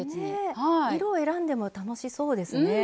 色を選んでも楽しそうですね。